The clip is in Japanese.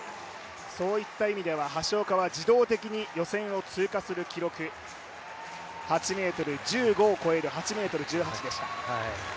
そういった意味では橋岡は自動的に予選を通過する記録、８ｍ１５を超える８ｍ１８でした。